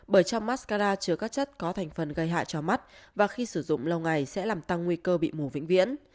bởi trong mazkara chứa các chất có thành phần gây hại cho mắt và khi sử dụng lâu ngày sẽ làm tăng nguy cơ bị mù vĩnh viễn